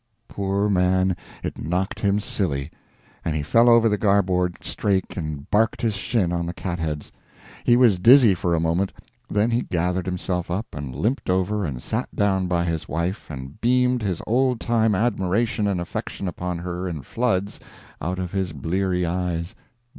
Poor man, it knocked him silly, and he fell over the garboard strake and barked his shin on the cat heads. He was dizzy for a moment, then he gathered himself up and limped over and sat down by his wife and beamed his old time admiration and affection upon her in floods, out of his bleary eyes.